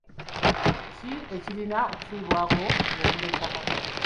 Ki ekirina okufiibwako ng'ogula ettaka?